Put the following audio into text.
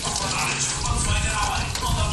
هغه ستا د ابا مېنه تالا سوې